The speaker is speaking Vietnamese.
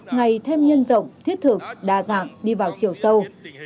ngày thêm nhân rộng thiết thực đa dạng đi vào chiều sâu